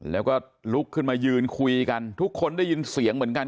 แล้วก็ลุกขึ้นมายืนคุยกันทุกคนได้ยินเสียงเหมือนกัน